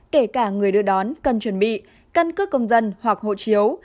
kể cả người đưa đón cần chuẩn bị căn cước công dân hoặc hộ chiếu